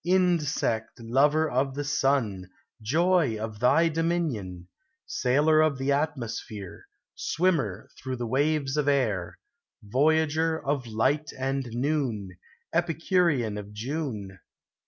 Insect lover of the sun, Joy of thy dominion! Sailor of the atmosphere; Swimmer through the waves of air, Voyager of light and noon, Epicurean of June!